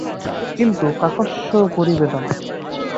কিন্তু কাকস্য পরিবেদনা!